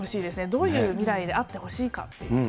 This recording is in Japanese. どういう未来であってほしいかっていう。